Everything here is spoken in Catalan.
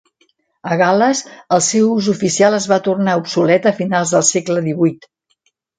A Gal·les, el seu ús oficial es va tornar obsolet a finals del segle XVIII.